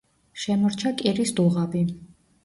შემორჩა კირის დუღაბი.